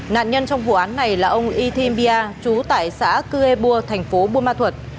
nạn nhân trong vụ án này là ông ythin bia chú tại xã cưê bua thành phố bua ma thuật